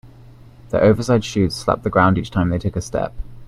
Their oversized shoes slapped the ground each time they took a step.